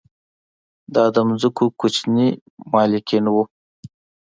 دا د ځمکو کوچني مالکین وو